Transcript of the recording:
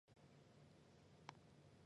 但日军会暗地殴打战俘。